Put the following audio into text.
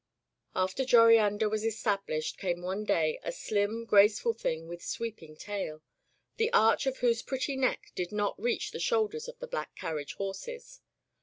After Joriander was established came one day a slim, graceful thing with sweeping tail, the arch of whose pretty neck did not reach the shoulders of the black carriage horses.